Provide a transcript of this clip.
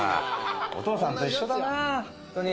お父さんと一緒だなホントに。